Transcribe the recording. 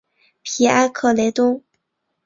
皮埃克雷东。